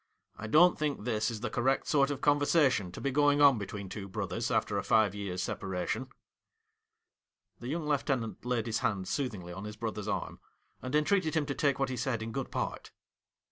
I don't think this is the correct sort of conversation to be going on between two brothers after a five years' separation.' The young lieutenant laid his hand sooth ingly on his brother's arm, and entreated him to take what he said in good part.